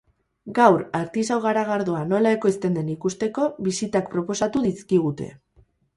Gaur artisau garagardoa nola ekoizten den ikusteko bisitak proposatu dizkigute.